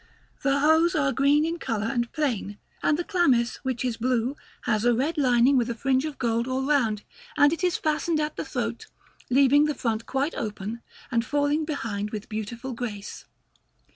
The hose are green in colour and plain; and the chlamys, which is blue, has a red lining with a fringe of gold all round, and it is fastened at the throat, leaving the front quite open, and falling behind with beautiful grace.